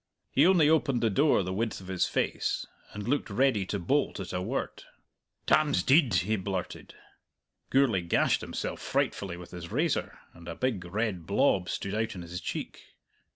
He only opened the door the width of his face, and looked ready to bolt at a word. "Tam's deid!" he blurted. Gourlay gashed himself frightfully with his razor, and a big red blob stood out on his cheek.